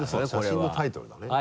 写真のタイトルだね。